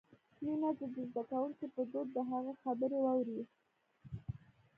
مينه دې د زدکونکې په دود د هغه خبرې واوري.